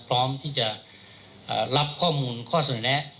พร้อมที่จะรับข้อมูลข้อเสนอแนะ